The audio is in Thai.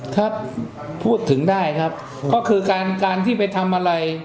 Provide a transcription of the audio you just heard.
ถ้าพูดถึงได้ครับก็คือการการที่ไปทำอะไร